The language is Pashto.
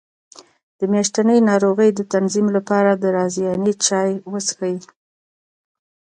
د میاشتنۍ ناروغۍ د تنظیم لپاره د رازیانې چای وڅښئ